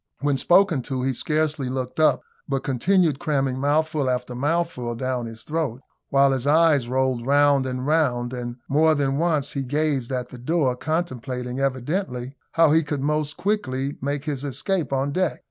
When spoken to, he scarcely looked up, but continued cramming mouthful after mouthful down his throat, while his eyes rolled round and round; and more than once he gazed at the door, contemplating evidently how he could most quickly make his escape on deck.